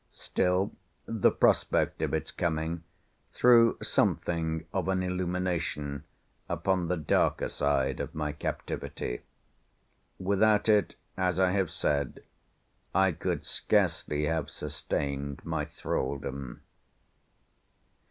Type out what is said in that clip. Still the prospect of its coming threw something of an illumination upon the darker side of my captivity. Without it, as I have said, I could scarcely have sustained my thraldom.